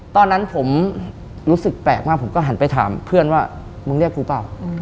ตอนนั้นผมรู้สึกแปลกมากผมก็หันไปถามเพื่อนว่ามึงเรียกกูเปล่า